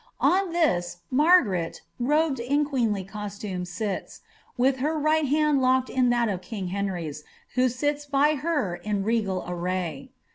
On this, Margaret, robed in queenly costume, sits, with her right hand liKkcd in that of king Henr^'^s, who sits by her in regal array.